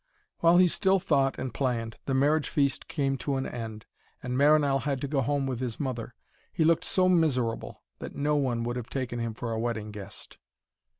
While he still thought and planned, the marriage feast came to an end, and Marinell had to go home with his mother. He looked so miserable that no one would have taken him for a wedding guest.